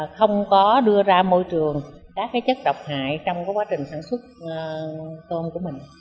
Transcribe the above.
không có đưa ra môi trường các chất độc hại trong quá trình sản xuất tôm của mình